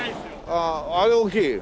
あああれ大きい？